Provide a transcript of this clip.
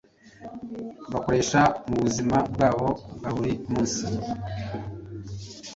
bakoresha mu buzima bwabo bwa buri munsi.